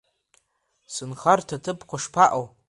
Сынхарҭа ҭыԥқәа шԥаҟоу?